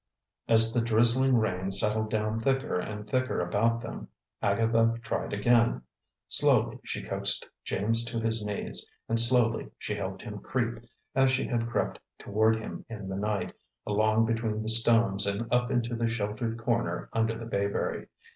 As the drizzling rain settled down thicker and thicker about them, Agatha tried again. Slowly she coaxed James to his knees, and slowly, she helped him creep, as she had crept toward him in the night, along between the stones and up into the sheltered corner under the bayberry.